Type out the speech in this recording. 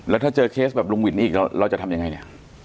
แล้วถ้าเจอเคสแบบลุงวินอีกเราจะทำยังไงเนี่ย